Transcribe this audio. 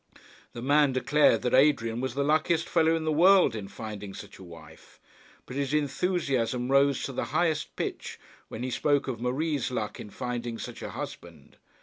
The man declared that Adrian was the luckiest fellow in the world in finding such a wife, but his enthusiasm rose to the highest pitch when he spoke of Marie's luck in finding such a husband.